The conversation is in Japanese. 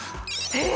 えっ！？